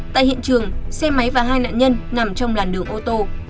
tại hiện trường xe máy và hai nạn nhân nằm trong làn đường ô tô